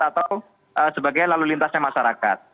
atau sebagai lalu lintasnya masyarakat